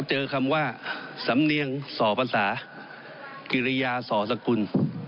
เจอคำว่าสำเนียงส่อภาษากิริยาสอสกุล